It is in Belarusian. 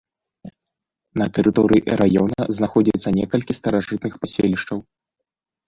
На тэрыторыі раёна знаходзіцца некалькі старажытных паселішчаў.